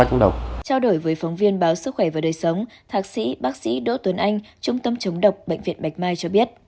trao đổi với phóng viên báo sức khỏe và đời sống thạc sĩ bác sĩ đỗ tuấn anh trung tâm chống độc bệnh viện bạch mai cho biết